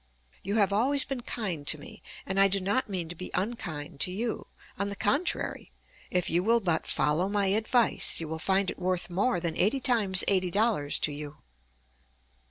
You have always been kind to me, and I do not mean to be unkind to you. On the contrary, if you will but follow my advice, you will find it worth more than eighty times eighty dollars to you.